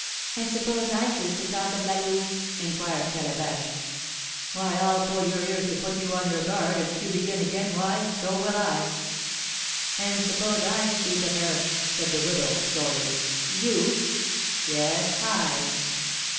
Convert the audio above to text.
"And suppose I choose to talk of La Louve?" inquired Calabash. "Why, I'll pull your ears to put you on your guard; and if you begin again, why, so will I." "And suppose I speak of her?" said the widow, slowly. "You?" "Yes, I!"